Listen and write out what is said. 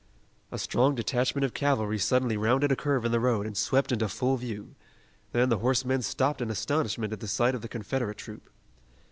A strong detachment of cavalry suddenly rounded a curve in the road and swept into full view. Then the horsemen stopped in astonishment at the sight of the Confederate troop.